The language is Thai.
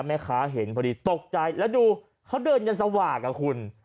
แม่ค้าเห็นพอดีตกใจแล้วดูเขาเดินกันสว่างอ่ะคุณ